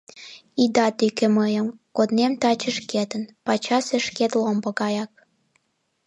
Ида тӱкӧ мыйым коднем таче шкетын, пакчасе шкет ломбо гаяк.